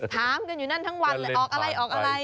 ถามกันอยู่นั่นทั้งวันเลยออกอะไรออกอะไร